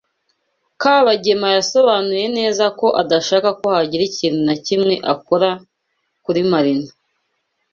Kabagema yasobanuye neza ko adashaka ko hagira ikintu na kimwe akora kuri Marina.